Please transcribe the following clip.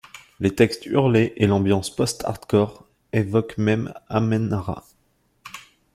Les textes hurlés et l'ambiance post-hardcore évoquent même AmenRa.